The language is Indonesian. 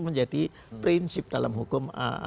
menjadi prinsip dalam hukum